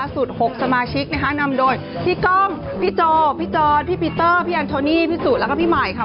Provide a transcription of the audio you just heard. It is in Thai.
๖สมาชิกนะคะนำโดยพี่ก้องพี่โจพี่จรพี่ปีเตอร์พี่แอนโทนี่พี่สุแล้วก็พี่ใหม่ค่ะ